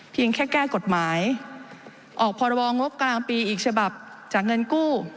แค่แก้กฎหมายออกพรวงบกลางปีอีกฉบับจากเงินกู้